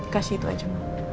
kasih itu aja